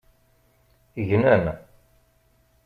Gnen.